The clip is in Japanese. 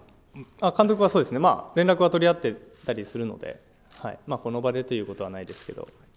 監督は、そうですね、連絡は取り合っていたりはするので、この場でということはないですけど。